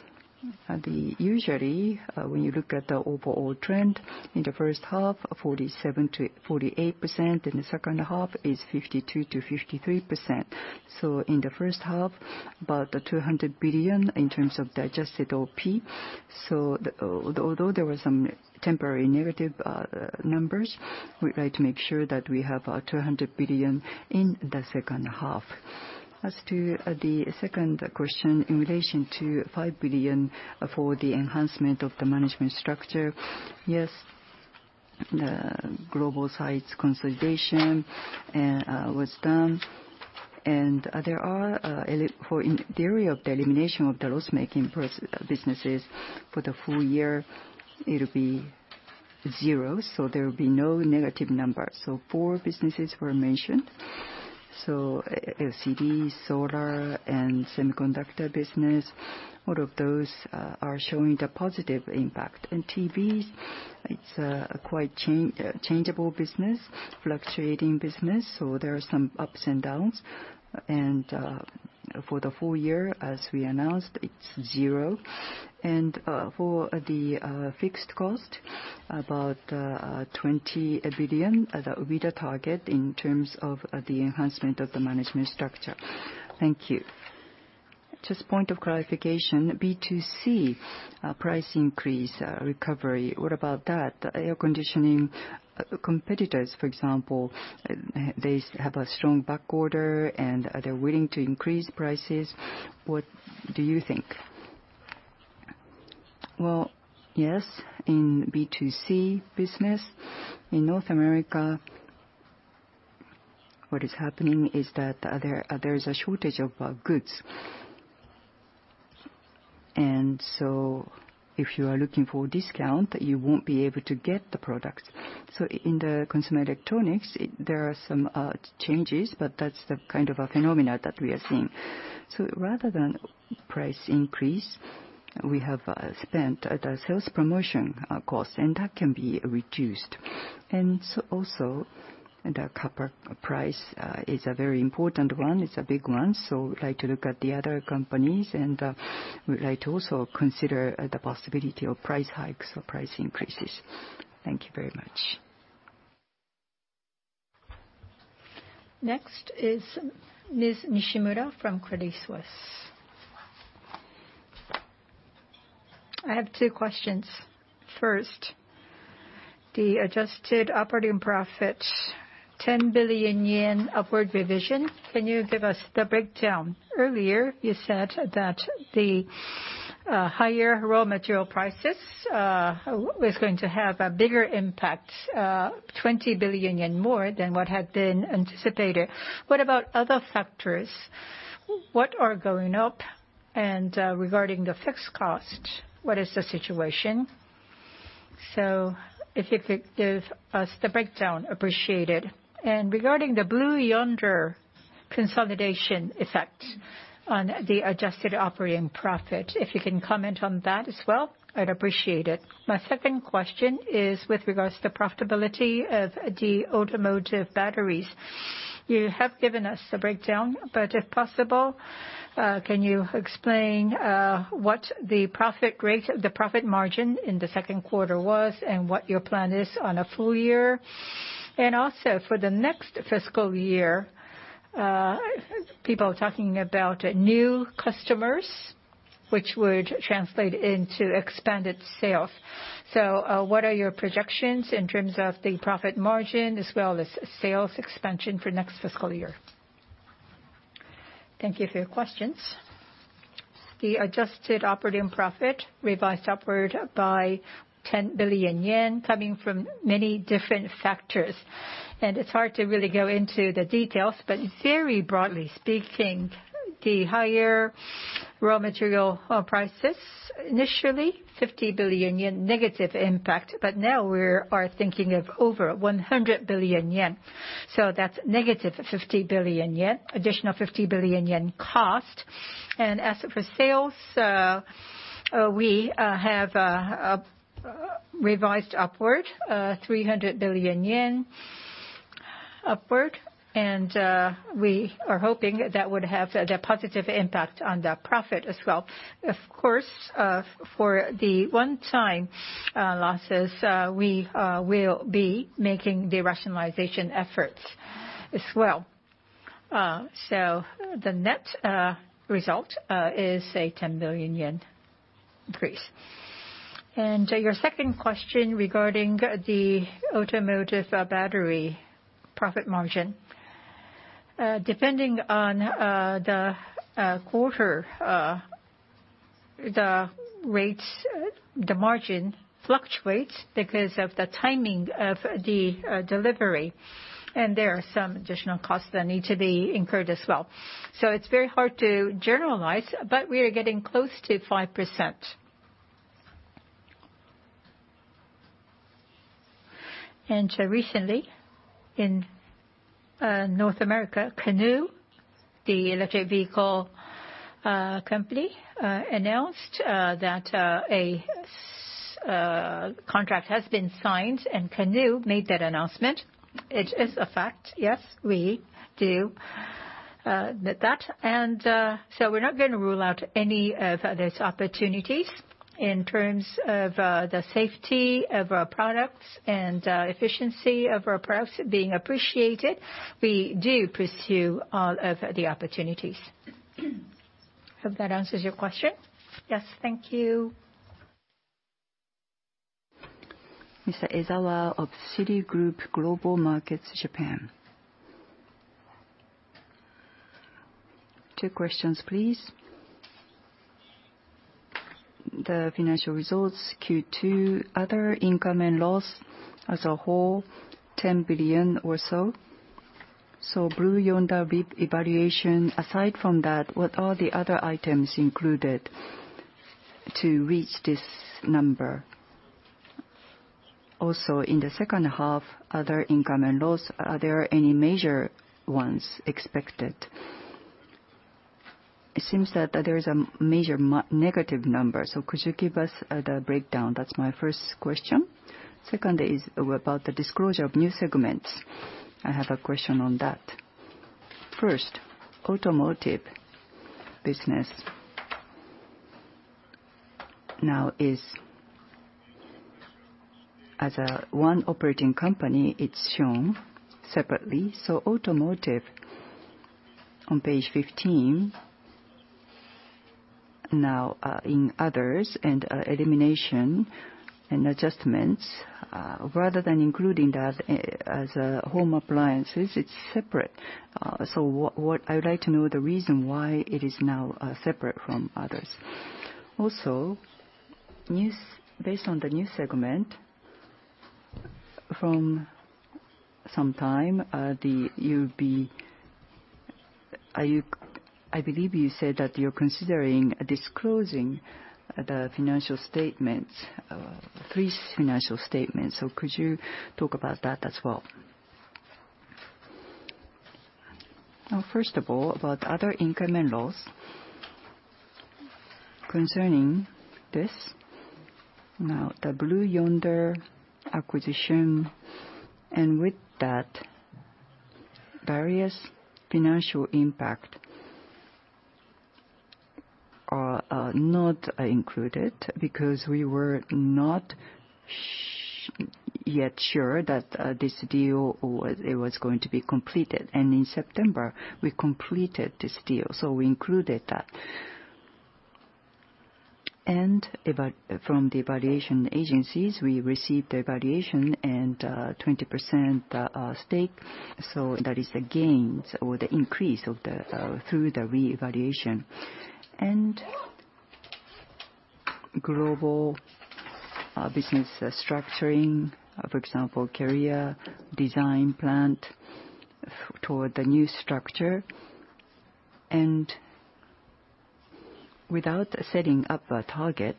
usually, when you look at the overall trend, in the first half, 47%-48%, in the second half is 52%-53%. In the first half, about 200 billion in terms of adjusted OP. Although there were some temporary negative numbers, we try to make sure that we have 200 billion in the second half. As to the second question, in relation to 5 billion for the enhancement of the management structure. Yes, the global sites consolidation was done. There are eliminations for provision for the elimination of the loss-making businesses for the full year it'll be zero, there will be no negative numbers. Four businesses were mentioned. LCD, solar, and semiconductor business, all of those are showing the positive impact. TVs, it's a quite changeable business, fluctuating business, so there are some ups and downs. For the full year, as we announced, it's zero. For the fixed cost, about 20 billion that will be the target in terms of the enhancement of the management structure. Thank you. Just point of clarification, B2C price increase recovery, what about that? Air conditioning competitors, for example, they have a strong back order and they're willing to increase prices. What do you think? Well, yes, in B2C business in North America, what is happening is that there is a shortage of goods. If you are looking for a discount, you won't be able to get the products. In the consumer electronics, there are some changes, but that's the kind of a phenomena that we are seeing. Rather than price increase, we have spent the sales promotion cost, and that can be reduced. Also, the copper price is a very important one. It's a big one. We'd like to look at the other companies, and we'd like to also consider the possibility of price hikes or price increases. Thank you very much. Next is Ms. Nishimura from Credit Suisse. I have two questions. First, the adjusted operating profit, 10 billion yen upward revision. Can you give us the breakdown? Earlier, you said that the higher raw material prices was going to have a bigger impact, 20 billion more than what had been anticipated. What about other factors? What are going up? And regarding the fixed cost, what is the situation? If you could give us the breakdown, appreciate it. And regarding the Blue Yonder consolidation effect on the adjusted operating profit, if you can comment on that as well, I'd appreciate it. My second question is with regards to profitability of the automotive batteries. You have given us a breakdown, but if possible, can you explain what the profit rate, the profit margin in the second quarter was and what your plan is on a full year? Also for the next fiscal year, people talking about new customers, which would translate into expanded sales. What are your projections in terms of the profit margin as well as sales expansion for next fiscal year? Thank you for your questions. The adjusted operating profit revised upward by 10 billion yen coming from many different factors. It's hard to really go into the details, but very broadly speaking, the higher raw material prices, initially 50 billion yen negative impact, but now we are thinking of over 100 billion yen. That's negative 50 billion yen, additional 50 billion yen cost. As for sales, we have revised upward 300 billion yen upward, and we are hoping that would have the positive impact on the profit as well. Of course, for the one-time losses, we will be making the rationalization efforts as well. The net result is a 10 billion yen increase. Your second question regarding the automotive battery profit margin. Depending on the quarter, the rates, the margin fluctuates because of the timing of the delivery, and there are some additional costs that need to be incurred as well. It's very hard to generalize, but we are getting close to 5%. Recently, in North America, Canoo, the electric vehicle company, announced that a contract has been signed, and Canoo made that announcement. It is a fact, yes, we do that. We're not gonna rule out any of those opportunities in terms of the safety of our products and efficiency of our products being appreciated. We do pursue all of the opportunities. Hope that answers your question. Yes. Thank you. Mr. Ezawa of Citigroup Global Markets Japan. Two questions, please. The financial results, Q2, other income and loss as a whole, 10 billion or so. Blue Yonder re-evaluation, aside from that, what are the other items included to reach this number? Also, in the second half, other income and loss, are there any major ones expected? It seems that there is a major negative number, so could you give us the breakdown? That's my first question. Second is about the disclosure of new segments. I have a question on that. First, automotive business now is as one operating company, it's shown separately. Automotive on page 15 now, in others and elimination and adjustments, rather than including that as home appliances, it's separate. What I would like to know the reason why it is now separate from others. Also, based on the new segment, from some time, the BU, I believe you said that you're considering disclosing the financial statements, three financial statements. Could you talk about that as well? Now, first of all, about other income and loss concerning this. The Blue Yonder acquisition, and with that, various financial impact are not included because we were not yet sure that this deal was going to be completed. In September, we completed this deal, so we included that. From the evaluation agencies, we received the evaluation and 20% stake, so that is the gains or the increase of the through the reevaluation. Global business structuring, for example, career design plan toward the new structure. Without setting up a target,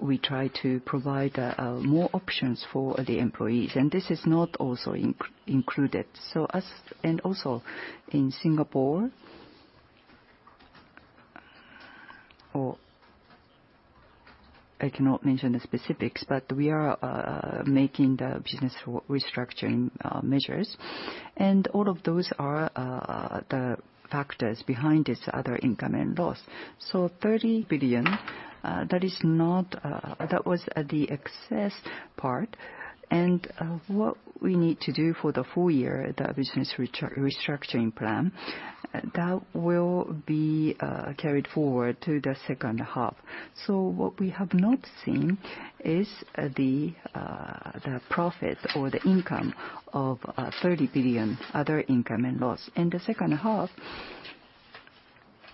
we try to provide more options for the employees, and this is not also included. Also in Singapore, I cannot mention the specifics, but we are making the business restructuring measures. All of those are the factors behind this other income and loss. 30 billion that was the excess part. What we need to do for the full year, the business restructuring plan, that will be carried forward to the second half. What we have not seen is the profit or the income of 30 billion other income and loss. In the second half,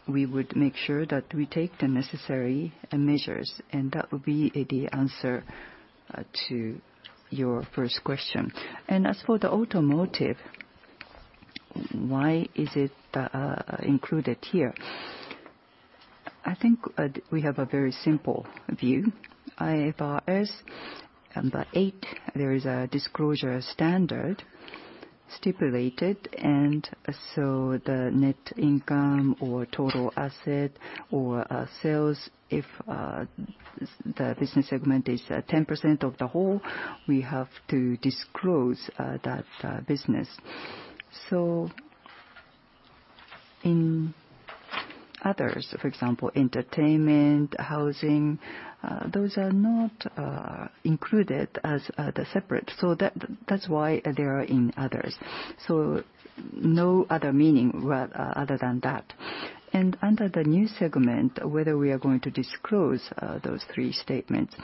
we would make sure that we take the necessary measures, and that would be the answer to your first question. As for the automotive, why is it included here? I think we have a very simple view. IFRS 8, there is a disclosure standard stipulated. The net income or total asset or sales, if the business segment is at 10% of the whole, we have to disclose that business. In others, for example, entertainment, housing, those are not included as the separate. That is why they are in others. No other meaning, well, other than that. Under the new segment, whether we are going to disclose those three statements,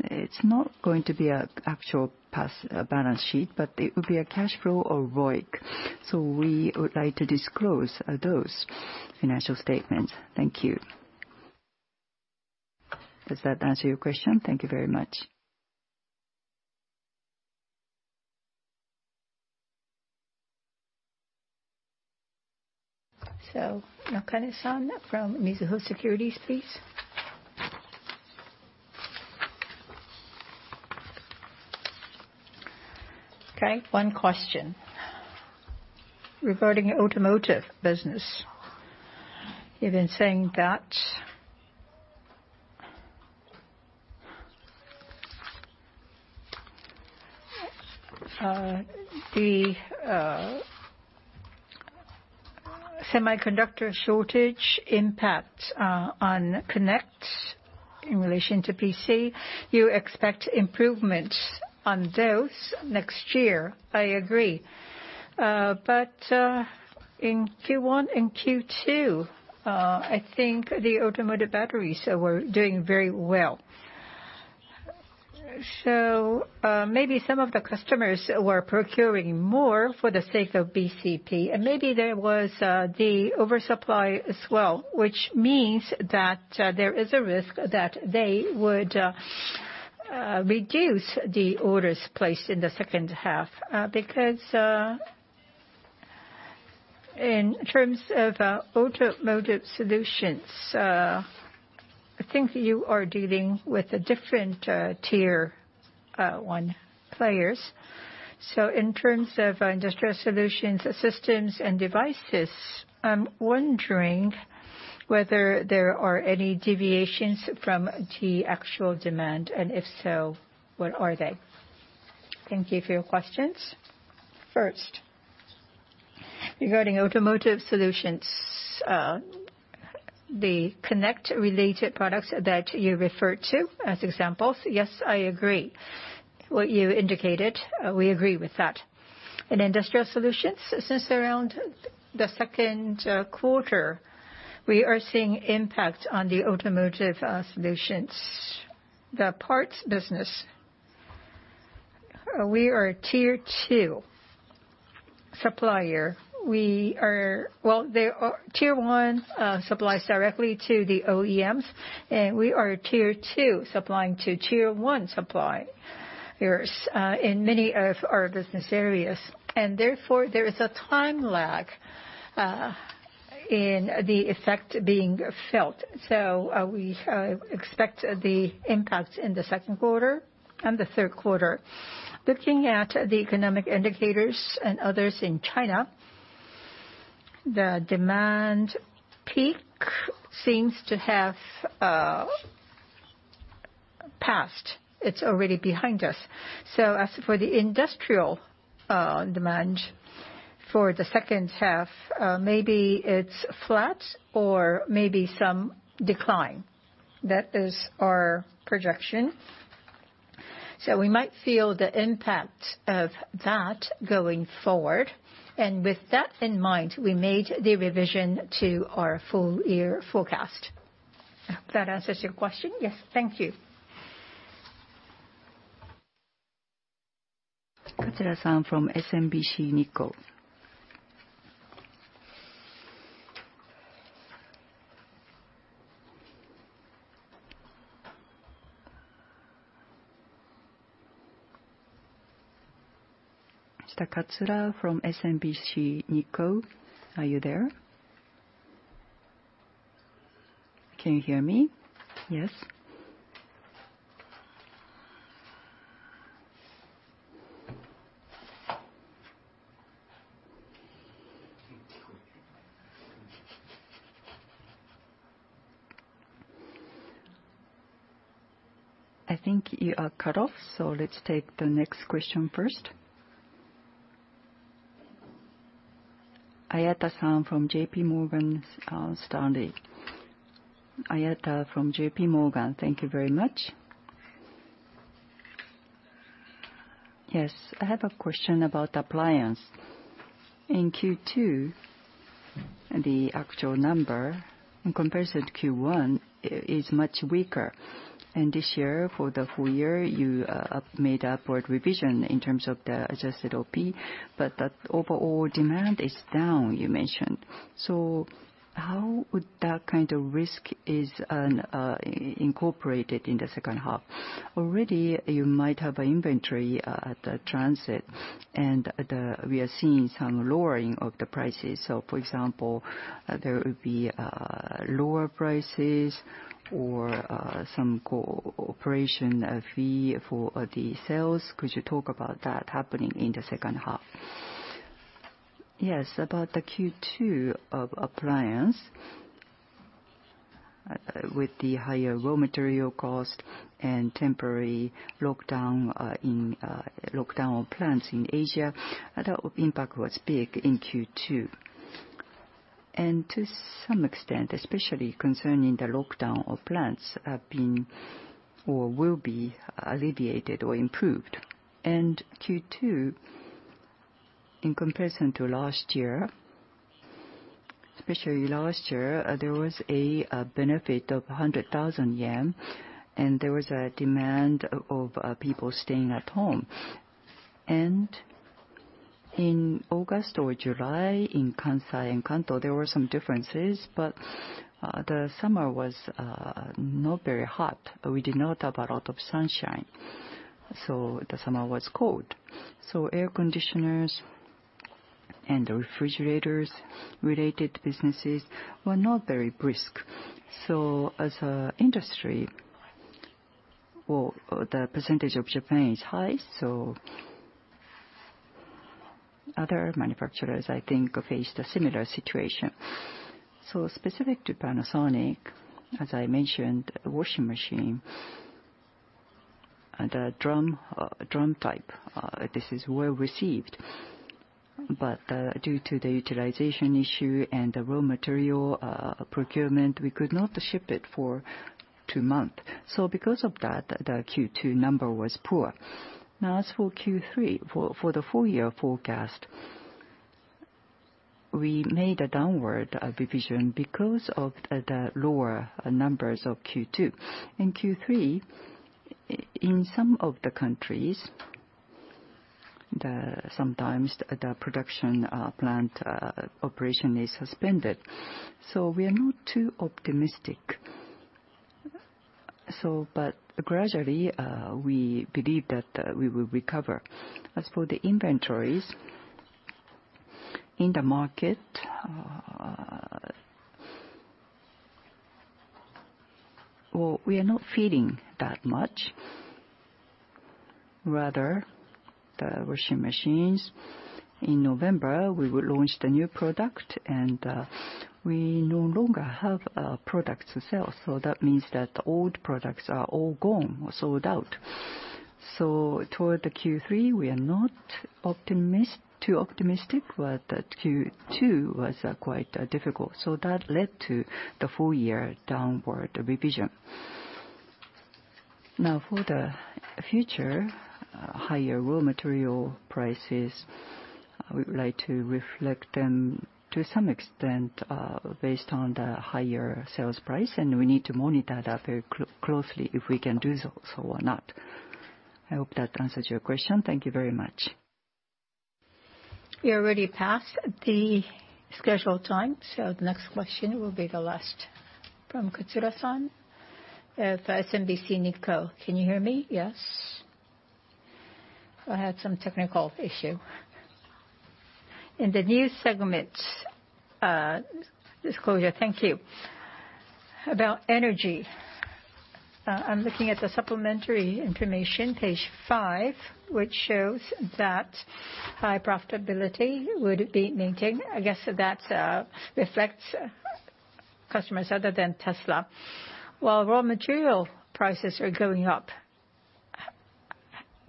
it's not going to be an actual P&L balance sheet, but it will be a cash flow or ROIC. We would like to disclose those financial statements. Thank you. Does that answer your question? Thank you very much. Nakane-san from Mizuho Securities, please. Okay, one question. Regarding automotive business, you've been saying that the semiconductor shortage impact on Connect in relation to PC, you expect improvements on those next year. I agree. In Q1 and Q2, I think the automotive batteries were doing very well. Maybe some of the customers were procuring more for the sake of BCP, and maybe there was the oversupply as well, which means that there is a risk that they would reduce the orders placed in the second half. Because in terms of automotive solutions, I think you are dealing with a different Tier 1 players. In terms of Industrial Solutions, Systems and Devices, I'm wondering whether there are any deviations from the actual demand, and if so, what are they? Thank you for your questions. First, regarding Automotive Solutions, the Connect related products that you referred to as examples. Yes, I agree. What you indicated, we agree with that. In Industrial Solutions, since around the second quarter, we are seeing impact on the Automotive Solutions. The parts business, we are Tier 2 supplier. They are Tier 1 suppliers directly to the OEMs, and we are Tier 2 supplying to Tier 1 suppliers in many of our business areas. Therefore, there is a time lag in the effect being felt. We expect the impact in the second quarter and the third quarter. Looking at the economic indicators and others in China, the demand peak seems to have passed. It's already behind us. As for the industrial demand for the second half, maybe it's flat or maybe some decline. That is our projection. We might feel the impact of that going forward. With that in mind, we made the revision to our full year forecast. I hope that answers your question. Yes. Thank you. Katsura-san from SMBC Nikko. Mr. Katsura from SMBC Nikko, are you there? Can you hear me? Yes. I think you are cut off, so let's take the next question first. Ayada-san from Morgan Stanley. Ayada from Morgan Stanley, thank you very much. Yes. I have a question about appliance. In Q2, the actual number in comparison to Q1 is much weaker. This year, for the full year, you made upward revision in terms of the adjusted OP, but the overall demand is down, you mentioned. How would that kind of risk is incorporated in the second half? Already you might have inventory at the transit and we are seeing some lowering of the prices. For example, there would be lower prices or some cooperation fee for the sales. Could you talk about that happening in the second half? Yes. About the Q2 of appliance, with the higher raw material cost and temporary lockdown of plants in Asia, the impact was big in Q2. To some extent, especially concerning the lockdown of plants have been or will be alleviated or improved. Q2, in comparison to last year, there was a benefit of 100,000 yen, and there was a demand of people staying at home. In August or July in Kansai and Kanto, there were some differences, but the summer was not very hot. We did not have a lot of sunshine, so the summer was cold. Air conditioners and the refrigerators related businesses were not very brisk. As a industry, well, the percentage of Japan is high, so other manufacturers I think have faced a similar situation. Specific to Panasonic, as I mentioned, washing machine, the drum type, this is well received, but due to the utilization issue and the raw material procurement, we could not ship it for two months. Because of that, the Q2 number was poor. Now as for Q3, for the full year forecast, we made a downward revision because of the lower numbers of Q2. In Q3, in some of the countries, sometimes the production plant operation is suspended. We are not too optimistic. But gradually, we believe that we will recover. As for the inventories in the market, well, we are not feeding that much. Rather, the washing machines, in November we will launch the new product and we no longer have products to sell. That means that old products are all gone or sold out. Toward the Q3, we are not too optimistic, but the Q2 was quite difficult. That led to the full year downward revision. Now, for the future, higher raw material prices, we would like to reflect them to some extent, based on the higher sales price, and we need to monitor that very closely if we can do so or not. I hope that answers your question. Thank you very much. We already passed the scheduled time, so the next question will be the last. From Katsura-san at SMBC Nikko. Can you hear me? Yes? I had some technical issue. In the new segment, disclosure. Thank you. About Energy, I'm looking at the supplementary information, page 5, which shows that high profitability would be maintained. I guess that reflects customers other than Tesla. While raw material prices are going up,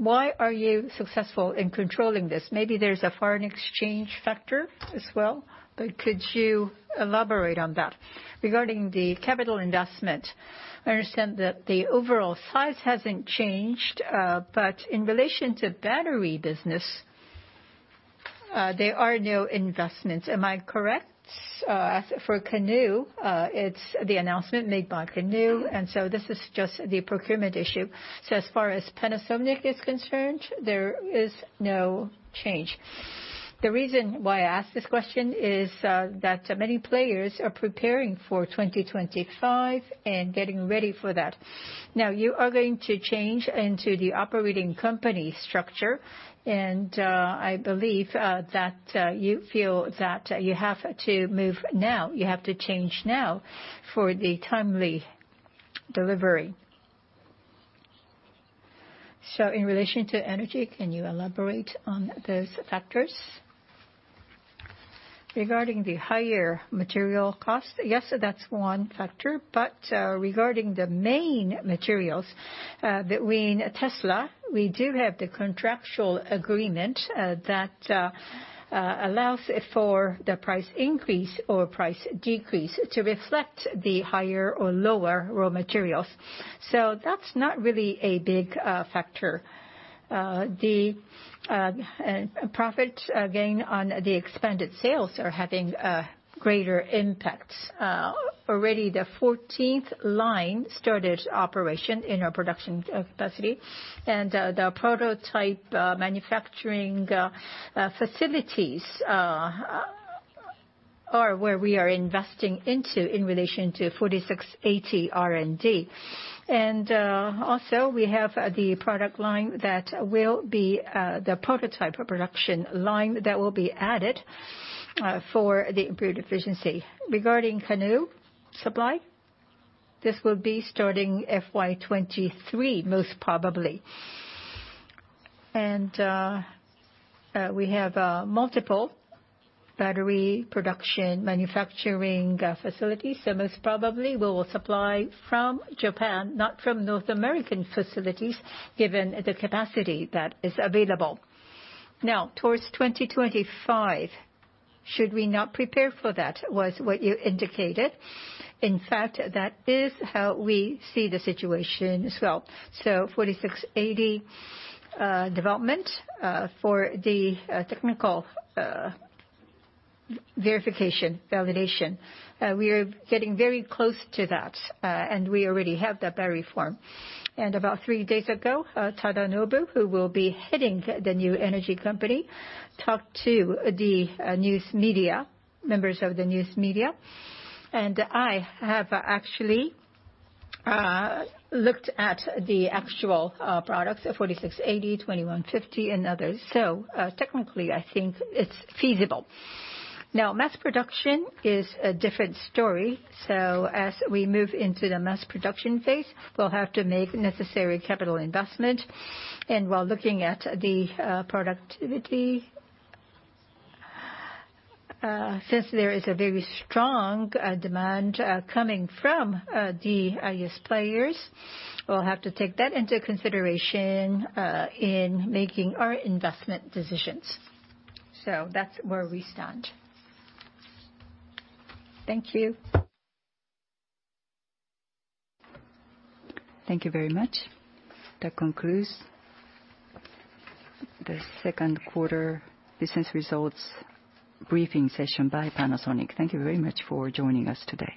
why are you successful in controlling this? Maybe there's a foreign exchange factor as well, but could you elaborate on that? Regarding the capital investment, I understand that the overall size hasn't changed, but in relation to battery business, there are no investments. Am I correct? As for Canoo, it's the announcement made by Canoo, and so this is just the procurement issue. As far as Panasonic is concerned, there is no change. The reason why I ask this question is that many players are preparing for 2025 and getting ready for that. Now, you are going to change into the operating company structure, and I believe that you feel that you have to move now, you have to change now for the timely delivery. In relation to energy, can you elaborate on those factors? Regarding the higher material cost, yes, that's one factor. Regarding the main materials, between Tesla, we do have the contractual agreement, that allows for the price increase or price decrease to reflect the higher or lower raw materials. That's not really a big factor. The profit gain on the expanded sales are having greater impacts. Already the fourteenth line started operation in our production capacity and the prototype manufacturing facilities. Where we are investing into in relation to 4680 R&D. Also we have the product line that will be the prototype production line that will be added for the improved efficiency. Regarding Canoo supply, this will be starting FY 2023, most probably. We have multiple battery production manufacturing facilities. Most probably we will supply from Japan, not from North American facilities, given the capacity that is available. Now, towards 2025, should we not prepare for that, was what you indicated. In fact, that is how we see the situation as well. 4680 development for the technical verification validation we are getting very close to that and we already have that battery form. About three days ago, Tadanobu Uno, who will be heading the new energy company, talked to the news media, members of the news media. I have actually looked at the actual products, the 4680, 2170, and others. Technically, I think it's feasible. Now, mass production is a different story. As we move into the mass production phase, we'll have to make necessary capital investment. While looking at the productivity, since there is a very strong demand coming from the U.S. players, we'll have to take that into consideration in making our investment decisions. That's where we stand. Thank you. Thank you very much. That concludes the second quarter business results briefing session by Panasonic. Thank you very much for joining us today.